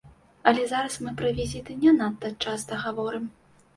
Але зараз мы пра візіты не надта часта гаворым.